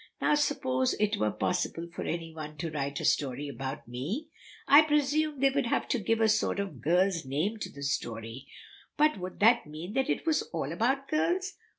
Now, suppose it were possible for any one to write a story about me; I presume they would have to give a sort of girl's name to the story; but would that mean that it was all about girls?